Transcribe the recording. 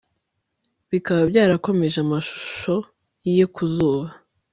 Bikaba byarakomeje amashusho ye ku zuba